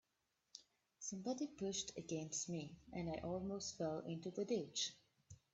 Somebody pushed against me, and I almost fell into the ditch.